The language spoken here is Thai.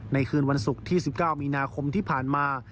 คืนวันศุกร์ที่๑๙มีนาคมที่ผ่านมา